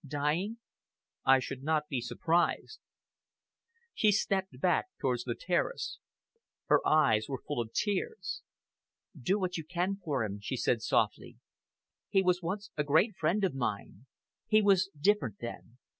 "Dying?" "I should not be surprised." She looked back towards the terrace. Her eyes were full of tears. "Do what you can for him," she said softly. "He was once a great friend of mine. He was different then!